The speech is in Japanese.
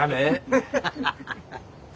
ハハハハ。